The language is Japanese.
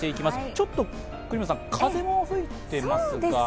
ちょっと國本さん、風も吹いてますか？